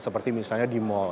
seperti misalnya di mall